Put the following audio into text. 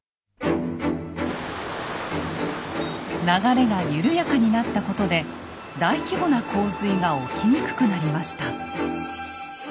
流れが緩やかになったことで大規模な洪水が起きにくくなりました。